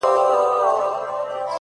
• په څو ورځو کي پخه انډیوالي سوه ,